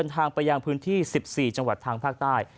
ทางไปยังพื้นที่๑๔จังหวัดทางภาคใต้